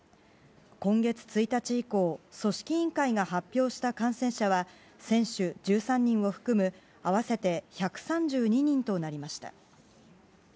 今月１日以降、組織委員会が発表した感染者は選手１３人を含む合わせて１３２人となりました。